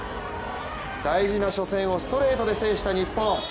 大事な初戦をストレートで制した日本。